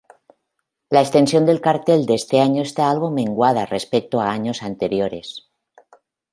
La extensión del cartel de este año está algo menguada respecto a años anteriores.